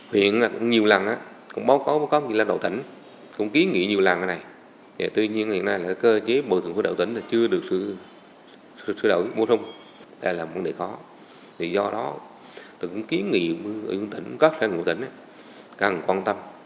do đó tự ký nghị ở những tỉnh các sản xuất của tỉnh càng quan tâm